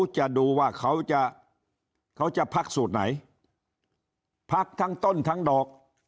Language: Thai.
จะดูว่าเขาจะเขาจะพักสูตรไหนพักทั้งต้นทั้งดอก